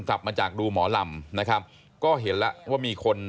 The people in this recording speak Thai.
กลับมาจากดูหมอลำนะครับก็เห็นแล้วว่ามีคน